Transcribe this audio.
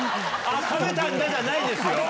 食べたんだじゃないですよ。